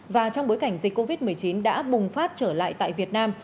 và trong bối cảnh dịch covid một mươi chín đã bùng phát trở lại tại việt nam